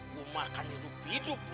gue makan hidup hidup lo